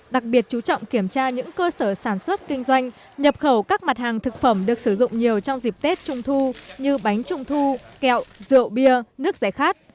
đặc biệt chú trọng kiểm tra những cơ sở sản xuất kinh doanh nhập khẩu các mặt hàng thực phẩm được sử dụng nhiều trong dịp tết trung thu như bánh trung thu kẹo rượu bia nước rẻ khát